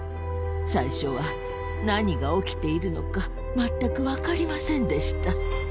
最初は何が起きているのか全く分かりませんでした。